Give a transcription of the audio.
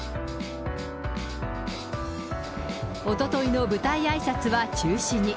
おとといの舞台挨拶は中止に。